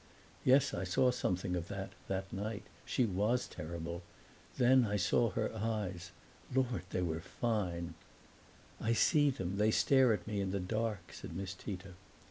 "Yes, I saw something of that, that night. She was terrible. Then I saw her eyes. Lord, they were fine!" "I see them they stare at me in the dark!" said Miss Tita.